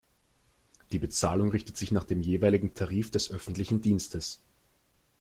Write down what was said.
Die Bezahlung richtet sich nach dem jeweiligen Tarif des öffentlichen Dienstes.